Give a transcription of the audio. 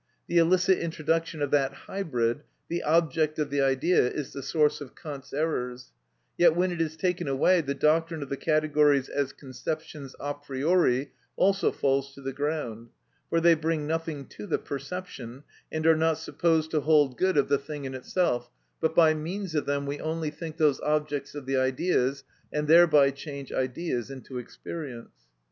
The illicit introduction of that hybrid, the object of the idea, is the source of Kant's errors; yet when it is taken away, the doctrine of the categories as conceptions a priori also falls to the ground; for they bring nothing to the perception, and are not supposed to hold good of the thing in itself, but by means of them we only think those "objects of the ideas," and thereby change ideas into experience.